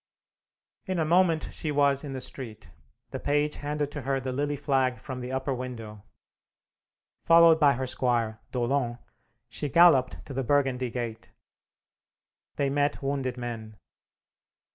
In a moment she was in the street, the page handed to her the lily flag from the upper window. Followed by her squire, D'Aulon, she galloped to the Burgundy Gate. They met wounded men.